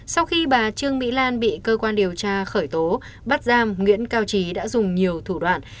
sau khi bà trương mỹ lan bị cơ quan điều tra khởi tố bắt giam nguyễn cao trí đã dùng nhiều thủ đoạn